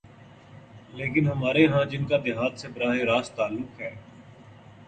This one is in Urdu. لیکن ہمارے ہاں جن کا دیہات سے براہ راست تعلق ہے۔